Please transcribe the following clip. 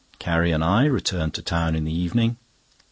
Carrie and I returned to Town in the evening.